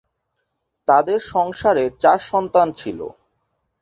তাদের সংসারে চার সন্তান ছিল।